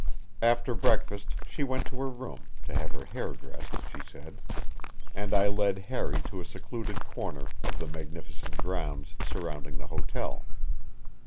After breakfast she went to her room to have her hair dressed, she said and I led Harry to a secluded corner of the magnificent grounds surrounding the hotel.